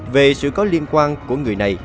về sự có liên quan của người này